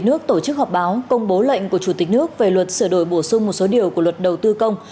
nước tổ chức họp báo công bố lệnh của chủ tịch nước về luật sửa đổi bổ sung một số điều của luật đầu tư công